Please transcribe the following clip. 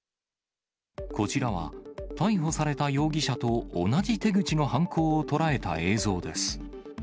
こちらは、逮捕された容疑者と同じ手口の犯行を捉えた映像です。